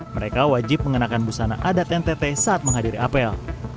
mereka wajib mengenakan busana adat ntt saat menghadiri apel